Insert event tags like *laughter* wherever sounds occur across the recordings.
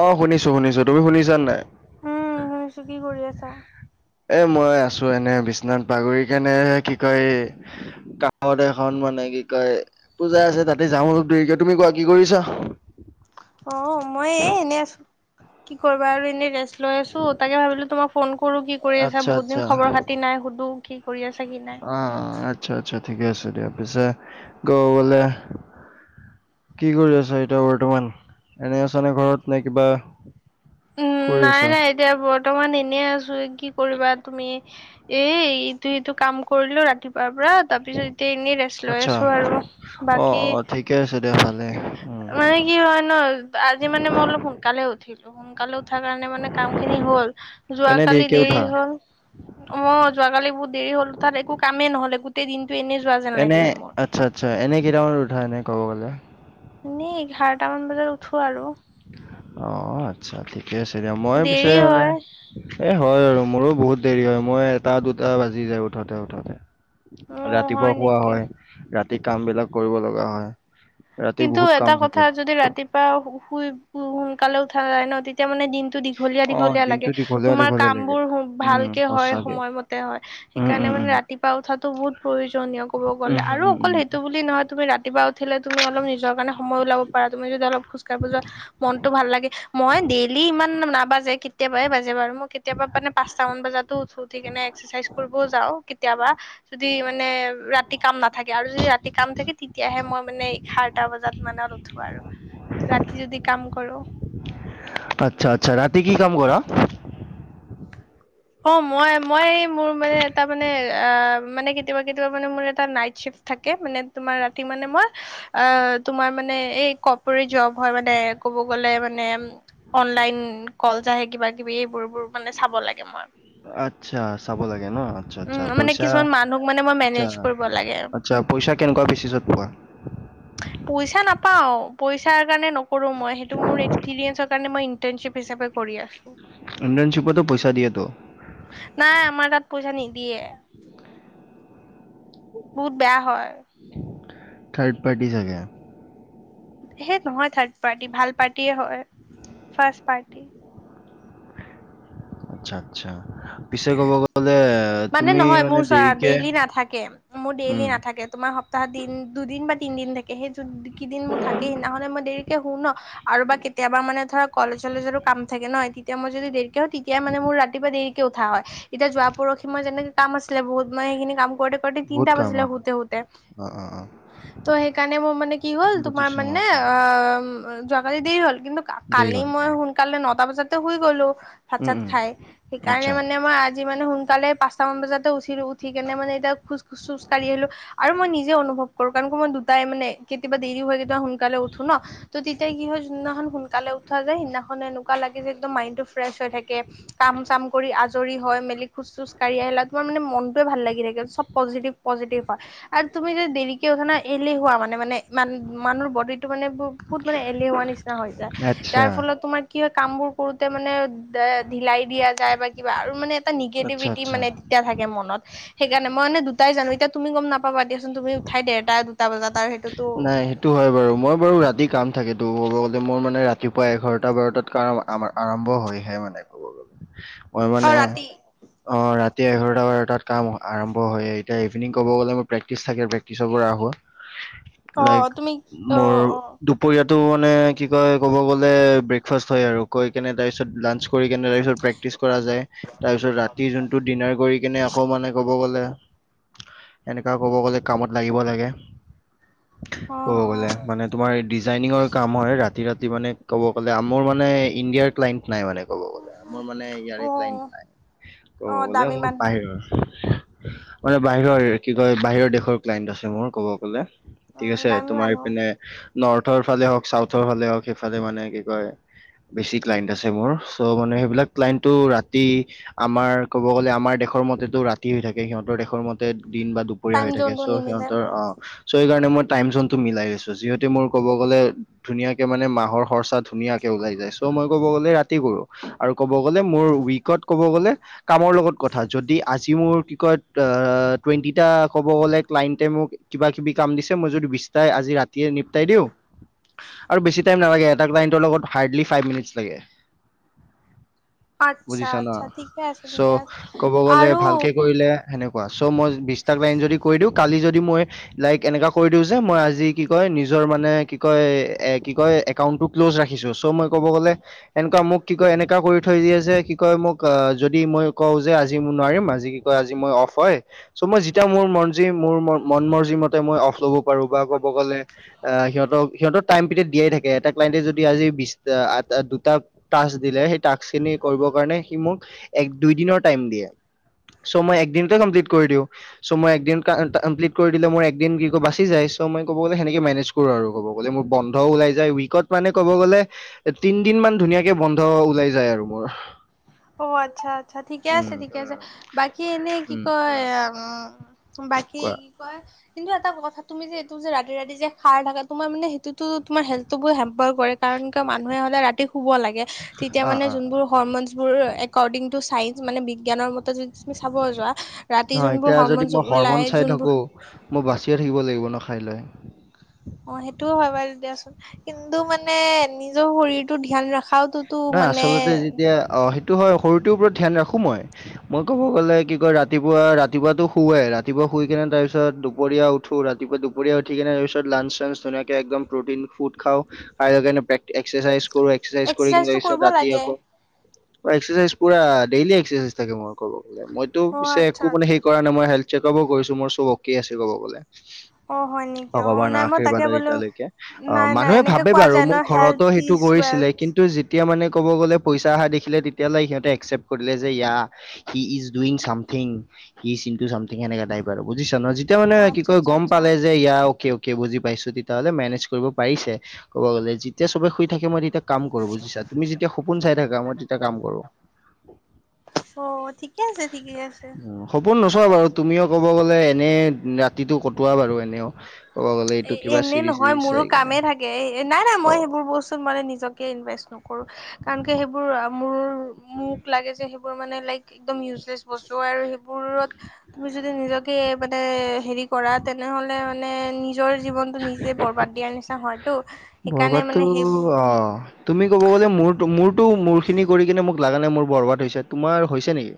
অঁ, শুনিছোঁ শুনিছোঁ। তুমি শুনিছানে নাই? উম শুনিছো, কি কৰি আছা? এ, মই আছোঁ এনে বিচনাত বাগৰি কেনে কি কয়? কাষত এখন মানে কি কয়, পূজা আছে তাতে যাম অলপ দেৰিকৈ। তুমি কোৱা, কি কৰিছা? অঁ, মই এ এনে আছো, কি কৰিবা আৰু? এনে ৰেষ্ট লৈ আছোঁ, তাকে ভাবিলোঁ তোমাক ফোন কৰোঁ। কি কৰি আছা, আচ্ছা বহুত দিন খবৰ-খাতি নাই, সুধো কি কৰি আছা কি নাই আহ, আচ্ছা আচ্ছা, ঠিকে আছে দিয়া। পিছে কৰবালে কি কৰি আছা এতিয়া বৰ্তমান? এনেই আছানে, ঘৰত নে কিবা উম, কৰি নাই আছা নাই, এতিয়া বৰ্তমান এনে আছোঁ। কি কৰিবা তুমি? এই ইটো-হিটো কাম কৰিলোঁ ৰাতিপু তাৰ পৰা তাৰ পিছত এতিয়া এনেই ৰেষ্ট লৈ আচ্ছা আছোঁ। আৰু অ বাকী অ ঠিকে আছে দিয়া ভালে উম মানে কি হয় ন, আজি মানে মই অলপ সোনকালে উঠিলোঁ। সোন কালে উঠা কাৰণে মানে কাম খিনি হল, এনে যোৱাকালি দেৰিকে দেৰি উঠা হ'ল। অঁ, যোৱাকালি বহুত দেৰি হ'ল তাত, একো কামেই নহলে গোটেই দিনটো এনেই যোৱা যেন এনে লাগিলে মোৰ। আচ্ছা আচ্ছা, এনেই কেইটা মানত উঠা? এনেই ক'ব গ'লে। এনেই এঘাৰটা মান বাজত উঠো আৰু। অ আচ্ছা, ঠিকে আছে দিয়া। মই পিছে দেৰি এনে হয়। এ হয় আৰু, মোৰো বহুত দেৰি হয়। মই এটা-দুটা বাজি যায় উঠাতে উঠোতে। অ', ৰাতিপুৱা হয় শুৱা নেকি? হয়, ৰাতি কাম বিলাক কৰিব লগা হয়। ৰাতি কিন্তু বহুত এটা কাম কথা, থাকে। যদি ৰাতিপুৱা শুই সোনকালে উঠা যায় ন, তেতিয়া মানে দিন দীঘলীয়া অ', দীঘলীয়া লাগে, দিনটো দীঘলীয়া তোমাৰ দীঘলীয়া কাম লাগে। বোৰ উম, ভালকে হয়, সঁচাকে। সময়মতে হয়। উম, সেইকাৰণে উম, মানে উম। ৰাতিপুৱা উঠাটো বহুত প্ৰয়োজনীয়, ক'ব গ'লে। উম, আৰু উম, উম, অকল উম। সেইটো বুলি নহয়, তুমি ৰাতিপুৱা উঠিলে তুমি অলপ নিজৰ কাৰণে সময় ওলাব পাৰা, তুমি যদি অলপ খোজ কাঢ়িৱ যোৱা মনটো ভাল লাগে, মই ডেইলি ইমান নাবাজে, কেতিয়াবাহে বাজে বাৰু মই কেতিয়াবা মানে পাঁচটা মান বজাতো উঠোঁ, উঠি কিনে এক্সাৰচাইজ কৰিবও যাওঁ কেতিয়াবা। যদি মানে ৰাতি কাম নাথাকে, আৰু যদি ৰাতি কাম থাকে, তেতিয়াহে মই মানে সাতটা বজাত মানে উঠো আৰু ৰাতি যদি কাম কৰো আচ্ছা আচ্ছা ৰাতি কি কাম কৰা অ মই মই এই মোৰ মানে এটা মানে অ মানে কি কেতিয়াবা কেতিয়াবা মানে মোৰ এটা নাইট শ্বিফ্ট থাকে মানে তোমাৰ ৰাতি মানে মই অ তোমাৰ মানে এই কপৰে জব হয় মানে ক'ব গলে মানে অনলাইন কলজ আহে কিবা কিবি এইবোৰ বোৰ মানে চাব লাগে মই আচ্ছা চাব লাগে ন আচ্ছা আচ্ছা উম মানে পইচা কিছুমান মানুহক মানে মই আচ্ছা মেনেজ কৰিব লাগে আচ্ছা পইচা কেনেকুৱা বেচিছত পোৱা পইচা নাপাও পইচাৰ কাৰণে ন কৰো মই সেইটো মোৰ এক্সপিৰিয়েঞ্চৰ কাৰণে ইণ্টাৰ্ণশ্বিপ হিচাপে কৰিয়া ইন্টানশ্বিপটো পইচা দিয়েটো নাই আমাৰ তাত পইচা নিদিয়ে বহুত বেয়া হয় থাৰ্ড পাৰ্টি চাগে সেই নহয় থাৰ্ড পাৰ্টি ভাল পাৰ্টি হয় ফাষ্ট পাৰ্টি আচ্ছা আচ্ছা পিছে ক'ব গ'লে মানে তুমি নহয় মোৰ চ দেৰিকে ডেইলি নাথাকে মোৰ ডেইলি উম, নাথাকে তোমাৰ সপ্তাহত দিন দুদিন বা তিনদিন থাকে সেই যোন কেইদিন মোৰ থাকে সিদিনাখনে মই দেৰি কে শু ন আৰু বা কেতিয়াবা মানে ধৰা কলেজ চলেজৰো কাম থাকে ন তেতিয়া মই যদি দেৰি তেতিয়া মানে মোৰ ৰাতিপুৱা দেৰি কে উঠা হয় এতিয়া যোৱা পৰসি মই যেনেকে কাম আছিলে বহুত মই সেইখিনি কাম কৰোঁতে ৰাতি বহুত তিনটা কাম বজিলে আৰু। শুওতে শুওতে অ', অ', অ', ত' সেইকাৰণে মোৰ মানে কি হ'ল তোমাৰ মানে অ যোৱাকালি দেৰি হল কিন্তু দেৰি কালি হ'ল মই অ', সোন কালে নটা বজাতে শুই গলো ভাত উম, চাত উম, খাই সেইকাৰণে আচ্ছা, মানে মই আ আজি মানে সোনকালে পাঁচটামান বজাতে উঠিলো উঠি কেনে মানে এতিয়া খোজ খোজকাঢ়ি আহিলোঁ আৰু মই নিজে অনুভৱ কৰো কাৰণ ক মই দুটাই মানে কেতিয়াবা দেৰি হৈ কেতিয়াবা সোনকালে উঠো ন ত' তেতিয়া কি হয় যোনদিনাখন সোনকালে উঠোৱা যায় সেইদিনাখন এনেকুৱা লাগে যে একদম মাইণ্ডটো ফ্ৰেছ হৈ থাকে কাম চাম কৰি আজৰি হয় মেলি খোজ চোজ কঢ়ি আহিলা তোমাৰ মানে মনটোয়ে ভাল লাগি থাকে চব পজিটিভ পজিটিভ হয় আৰু তুমি যে দেৰিকে উঠা না এলেহুৱা মানে মানে মান মানুৰ বডীটো মানে বহুত মানে এলেহুৱা নিচিনা হৈ যায় আচ্ছা, যাৰ ফলত তোমাৰ কি হয় কামবোৰ কৰোঁতে মানে ঢিলাই দিয়া যায় বা কিবা আৰু মানে এটা আচ্ছা, নিগেটিভিটি আচ্ছা। মানে তেতিয়া থাকে মনত সেইকাৰণে মই দুটাই জানো এতিয়া তুমি গম নাপাবা দিয়াচোন তুমি উঠাই দেৰটা দুটা বজাত আৰু সেইটোতো নাই সেইটো হয় বাৰু মই বাৰু ৰাতি কাম থাকেতো ক'ব গ'লে মোৰ মানে ৰাতিপুৱাই এঘাৰটা বাৰটাত কাম আৰম্ভ হয়হে মানে ক'ব গ'লে মই অ মানে ৰাতি অ ৰাতি এঘাৰটা বাৰটাত কাম আৰম্ভ হয়ে এতিয়া ইভিনিং ক'ব গ'লে মোৰ প্ৰেক্টিচ থাকে প্ৰক্টিছৰ পৰা অ হোৱা লাইক তুমি অ মোৰ অ দুপ দুপৰীয়াটো মানে কি কয় ক'ব গ'লে ব্ৰেকফাষ্ট হয় আৰু কৈ কেনে তাৰপিছত লাঞ্চ কৰি কেনে তাৰপিছত প্ৰেক প্ৰেক্টিছ কৰা যায় তাৰপিছত ৰাতি যোনটো ডিনাৰ কৰি কিনে আকৌ মানে ক'ব গ'লে এনেকুৱা ক'ব গ'লে কামত লাগিব লাগে অ ক'ব গ'লে মানে তোমাৰ ডিজাইনিঙৰ কাম হয় ৰাতি ৰাতি মানে ক'ব গ'লে আমোৰ মানে ইণ্ডিয়াৰ ক্লাইণ্ট নাই মানে ক'ব গলে মোৰ মানে অ ইয়াৰে অ ক্লাইন্ত নাই অ ক'ব গলে দামী মোৰ মানুহ বাহিৰৰ মানে বাহিৰৰ কি কয় বাহিৰৰ দেশৰ ক্লাইণ্ট আছে মোৰ ক'ব গ'লে ঠিক উ আছে দামী তোমাৰ মানুহ ইপিনে নৰ্থৰ ফালে হওক চাউথৰ ফালে হওক সেইফালে মানে কি কয় বেছি ক্লাইণ্ট আছে মোৰ চ' মানে সেইবিলাক ক্লাইনটো ৰাতি আমাৰ ক'ব গ'লে আমাৰ দেশৰ মতেতো ৰাতি হৈ থাকে সিহতৰ দেশৰ মতে দিন বা দু দূপৰিয়া টাইম হৈ থাকে জোনটো চ নিমিলে সিহতৰ অহ চ সেই কাৰণে মই টাইম যোনটো মিলাই লৈছো যিহেতো মোৰ কব গলে ধুনীয়াকে মানে মাহৰ খৰচা ধুনীয়াকে ওলাই যায় চ মই কব গ'লে ৰাতি কৰো আৰু কব গ'লে মোৰ উইকত কব গ'লে কামৰ লগত কথা যদি আজি মোৰ কি কয় আ টুৱেণ্টিটা ক'ব গ'লে ক্লাইণ্টে মোক কিবা কিবি কাম দিছে মই যদি বিচতাই আজি ৰাতিয়ে নিপটাই দিওঁ আৰু বেছি টাইম নালাগে এটা ক্লাইণ্টৰ লগত হাৰ্ডলি ফাইভ মিনটছ লাগে আচ্ছা বুজিছা ন আচ্ছা ঠিকে আছে ঠিকে চ' আছে ক'ব গ'লে আৰু ভালকে কৰিলে সেনেকুৱা চ মই বিশটা ক্লাইণ্ট যদি কৰি দিওঁ কালি যদি মই লাইক এনেকা কৰি দিওঁ যে মই আজি কি কয় নিজৰ মানে কি কয় এ কি কয় একাউন্টটো ক্ল'জ ৰাখিছো চ মই কব গ'লে এনেকুৱা মোক কি কয় এনেকা কৰি থৈ দিয়ে যে কি কয় মোক আহ যদি মই কওঁ যে আজি মোৰ নোৱাৰিম আজি আজি মই অফ হয় চ মই যেতিয়া মোৰ মৰজি মোৰ মন মৰজি মতে মই অফ ল'ব পাৰো বা কব গ'লে আহ সিহঁতক সিহঁতৰ টাইম পিৰিয়ড দিয়াই থাকে ক্লাইণ্টে যদি আজি বিশ আ দুটা টাক্স দিলে সেই টাক্স খিনি কৰিবৰ কাৰণে সি মোক এক দুই দিনৰ টাইম দিয়ে চ মই একদিনতে কমপ্লিট কৰি দিওঁ চ মই একদিন *unintelligible* কৰি দিলে মোৰ একদিন কি কয় বাচি যায় চ মই ক'ব গ'লে সেনেকে মেনেজ কৰোঁ আৰু ক'ব গ'লে মোৰ বন্ধ ওলাই যায় উইকত মানে ক'ব গ'লে তিনদিন মান ধুনীয়াকে বন্ধ ওলাই যায় আৰু মোৰ অ আচ্ছা আচ্ছা ঠিকে আছে উম ঠিকে আছে বাকী এনে কি উম কয় আ বাকী কোৱা কি কয় কিন্তু এটা কথা তুমি যে এইটো যে ৰাতি ৰাতি যে খাই থাকা তোমাৰ মানে সেইটোতো তোমাৰ হেল্থটো হেম্পাৰ কৰে কাৰণ কিয় মানুহে সদায় ৰাতি শুব লাগে তেতিয়া অ মানে অ যোনবোৰ হ'ৰমন বোৰ একৰ্ডিং টু চাইন্স মানে বিজ্ঞানৰ মতে যদি তুমি চাব যোৱা ৰাতি নহয় যোনবোৰ এতিয়া যদি হ'ৰমনছ মই হৰমন ওলাই চাই যোনবোৰ থাকো মই বাচিয়ে থাকিব লাগিব ন খাই লৈ অ সেইটোও হয় বাৰু দিয়াচোন কিন্তু মানে নিজৰ শৰীৰটো ধ্যান ৰখাওটো নহয় আচলতে যেতিয়া অ সেইটো হয় শৰীৰটোৰ ওপৰত ধ্যান ৰাখো মই মই ক'ব গ'লে কি কয় ৰাতিপুৱা ৰাতিপুৱাতো শুৱে ৰাতিপুৱা শুই কিনে তাৰপিছত দুপৰীয়া উ উঠো ৰাতিপুৱা দুপৰীয়া উঠি কিনে তাৰপিছত লাঞ্চ চাঞ্চ ধুনীয়াক একদম প্ৰ'টিন ফুড খাওঁ আৰু সেইকাৰণে এক্সাৰচাইজ কৰো এক্সাৰচাইজ কৰি এক্সাৰচাইজটো কেনি কৰিব ৰাতি লাগে। আকৌ এক্সাচাইজ পোৰা দেইলী এক্সাৰচাইজ থাকে মোৰ কব গ'লে মইতো অ পিছে আচ্ছা একো মানে আচ্ছা হেৰি কৰা মই হেল্থ চেকআপো কৰিছো মোৰ চব অকে আছে ক'ব গলে অ হয় নেকি অ ভগৱানৰ নাই মই আশীৰ্বাদ তাকে বোলো এতিয়ালৈকে অ নাই নাই মানুহে এনেকে ভাবে কোৱা বাৰু যায় মোক ন ঘৰত ত হেল্থ সেইটো ইজ কৰিছিলে ৱেল্থ। কিন্তু যেতিয়া মানে কব গলে পইচা অহা দেখিলে তেতিয়ালে সিহঁতে একচেপ্ট কৰিলে যে ইয়া he is doing something he ইচ *unintelligible* ঠিক সেনেকা টাইপ আৰু বুজিছা ন যেতিয়া অ মানে কি আচ্ছা কয় আচ্ছা গম আচ্ছা পালে যে ইয়া অকে অকে বুজি পাইছো তেতিয়া হ'লে মেনেজ কৰিব পাৰিছে ক'ব গলে যেতিয়া চবে শুই থাকে মই তেতিয়া কাম কৰো বুজিছা তুমি যেতিয়া সপোন চাই থাকা মই তেতিয়া কাম কৰো অ ঠিকে আছে ঠিকে আছে সপোন নোচোৱা বাৰু তুমিও ক'ব গলে এনে ৰাতিটো কটোৱা বাৰু এনেও ক'ব গ'লে এ এইটো কিবা এনে চিৰি নহয় চিৰি মোৰো চাই কেনে কামেই থাকে এ নাই নাই মই অ সেইবোৰ বস্তু তো মানে নিজকে ইনভেষ্ট নকৰো কাৰণ কিয় সেইবোৰ মোৰ মোক লাগে যে, মানে লাইক একদম ইউজলেচ বস্তু হয় আৰু সেইবোৰত, তুমি যদি নিজকে মানে হেৰি কৰা তেনেহলে মানে নি, নিজৰ জীৱনটো নিজে বৰবাদ দিয়াৰ নিচিনা হয়তো সেইকাৰণে বৰবাদটো মানে সেইবোৰ, অ তুমি ক'ব গ'লে মোৰতো মোৰতো মোৰখিনি কৰি কিনে মোক লাগা নাই মোৰ বৰবাদ হৈছে তোমাৰ হৈছে নেকি।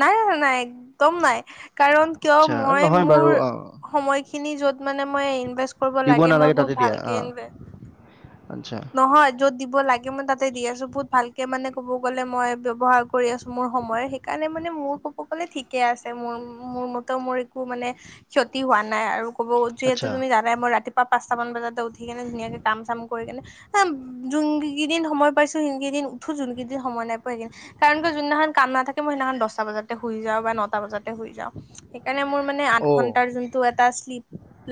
নাই নাই নাই একদম নাই কাৰণ কিয় আচ্ছা মই নহয় বাৰু মোৰ, অ সময়খিনি য'ত মানে মই ইনভেষ্ট কৰিব দিব লাগে মই নালাগে তাতে বহুত দিয়া ভালকে অ ইনভেষ্ট, আচ্ছা, নহয় য'ত দিব লাগে মই তাতে দি আছো বহুত ভালকে মানে ক'ব গ'লে মই ব্যৱহাৰ কৰি আছো মোৰ সময়, কাৰণে মানে মোৰ কব গলে ঠিকে আছে মোৰ মোৰ মতে মোৰ একো মানে, ক্ষতি হোৱা নাই আৰু ক'ব যিহেতু আচ্ছা তুমি ৰা মই ৰাতিপুৱা পাঁচটা মান বজাতে উঠি কেনে ধুনীয়াকে কাম চাম কৰি কেনে, যোন কেইদিন সময় পাইছো সেই কেইদিন উঠো যোন কেইদিন সময় নাইপোৱা সেইকেইদিন, কাৰণ কিয় যোনদিনাখন কাম নাথাকে, মই সেইদিনাখন দহটা বজাতে শুই যাওঁ বা নটা বজাতে শুই যাওঁ সেইকাৰণে মোৰ মানে আঠ অ ঘন্টাৰ যোনটো, টা শ্লিপ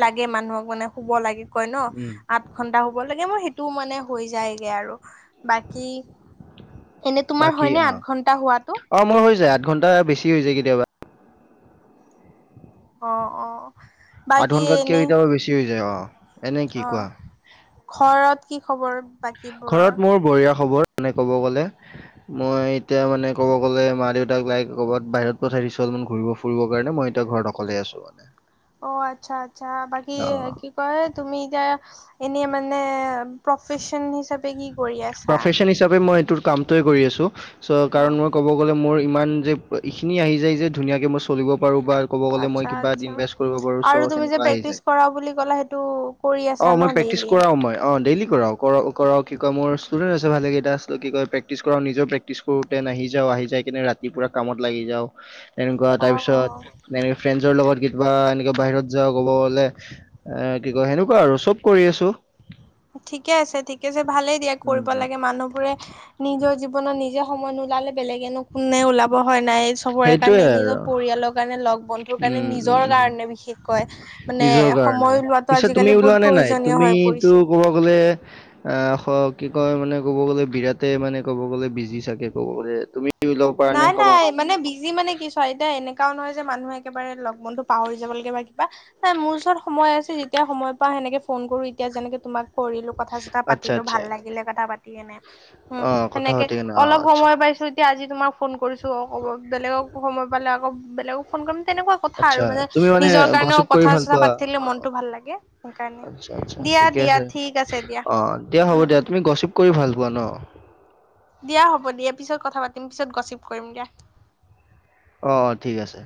লাগে মানুহক মানে শুব লাগে কয় ন উম আঠ ঘন্টা শুব লাগে মোৰ সেইটোও মানে হৈ যায়গে আৰু বাকী এনে তোমাৰ বাকী হয় নে অ আঠ ঘন্টা শুৱাটো, অ মোৰ হৈ যায় আঠ ঘণ্টা বেছি হৈ যায় কেতিয়াবা। অ অ, আঠ বাকী ঘণ্টাতকৈ এনে এটাব বেছি হৈ যায় অঁ এনেই কি অ কোৱা। ঘৰত কি খবৰ। বাকীবোৰৰ ঘৰত মোৰ বঢ়িয়া খবৰ মানে ক'ব গলে। মই এতিয়া মানে ক'ব গ'লে মা দেউতাক লাইক ক'ৰবাত বাহিৰত পঠাই দিছো অলপমান ঘূৰিব, ফুৰিবৰ কাৰণে মই এতিয়া ঘৰত অকলে আছো মানে। অ আচ্ছা আচ্ছা বাকী অ কি কয় তুমি এতিয়া এনে মানে, প্ৰফেচন হিচাপে কি। কৰি আছা প্ৰফেচন হিচাপে মই এইটো কামটোৱে কৰি আছোঁ ছ অ কাৰণ মই ক'ব, গলে মোৰ ইমান যে এইখিনি আহি যায় যে ধুনীয়াকে মই চলিব পাৰো বা, ক'ব গ'লে মই আচ্ছা কিবা এ আচ্ছা ইনভেষ্ট কৰিব পাৰো ছ আৰু তুমি যে সেনেকুৱা আহি প্ৰেক্টিচ যায়। কৰা বুলি ক'লা সেইটো কৰি অ আছা ন মই প্ৰেক্টিচ ডেইলি কৰাও মই অ ডেইলি কৰাও কৰ কৰাও কি, ক মোৰ ষ্টডেণ্ট হৈছে ভালেকেইটা কি প্ৰেক্টিছ কৰাওঁ নিজৰ প্ৰেকটিছ কৰোঁতে আহি যাওঁ আহি যায় কেনে ৰাতি, পুৰা কামত লাগি যাওঁ তেনেকুৱা অ তাৰ পিছত, অ এক ফ্ৰেণ্ডছৰ লগত কেতিাবা এনেকে বাহিৰত যাওঁ ক'ব গ'লে। এ কি কয় সেনেকুৱা আৰু চব কৰি আছো। ঠিকে আছে ঠিকে আছে ভালেই দিয়া কৰিব উম, লাগে মানুহবোৰে। নিজৰ জীৱনত নিজে সময় নোলালে বেলেগেনো কোনে ওলাব। হয় নাই চবৰে সেইটোৱে কাৰণে আৰু নিজৰ পৰিয়ালৰ কাৰণে লগ বন্ধুৰ কাৰণে উম উম নিজৰ উম কাৰণে বিশেষ, কয় মানে নিজৰ কাৰণে সময় উওলাটো পিছে আজিকালি বহুত প্ৰয়োজনীয় হৈ পৰিছে। বোলে, আহ কি কয় মানে ক'ব গলে বিৰাটে মানে ক'ব গলে বিজি চাগে কব গলে তুমি। উলাব পৰা নাই সময় মানে বিজি মানে কি চোৱা এতিয়া এনেকাও নহয় যে মানুহে একেবাৰে লগ বন্ধু পাহৰি যাব লাগে বা কিবা। নাই মোৰ ওচৰত সময় আছে যেতিয়া সময় পা সেনেকে ফোন কৰো এতিয়া যেনেকে তোমাক, কৰিলো কথা চথা আচ্ছা পাতিলো আচ্ছা ভাল লাগিলে কথা পাতি কিনে। উম অ কথা সেনেকে পাতি কিনে অ অলপ আচ্ছা সময় পাইছো এতিয়া আজি তোমাক ফোন কৰিছোঁ। অ অ বেলেগক সময় পালে আকৌ বেলেগক ফোন কৰিম। তেনেকুৱা কথা আৰু আচ্ছা মানে তুমি নিজৰ কাৰণেও গচিপ কৰি ভাল কথা-চথা পোৱা পাতিলে মনটো ভাল লাগে। সেইকাৰণে আচ্ছা আচ্ছা দিয়া ঠিকে দিয়া আছে। ঠিক আছে দিয়া অ দিয়া হ'ব দিয়া। তুমি গচিপ কৰি ভাল পোৱা নো? দিয়া হ'ব দিয়া, পিছত কথা পাতিম, পিছত গচিপ কৰিম দিয়া। অ অ ঠিক আছে।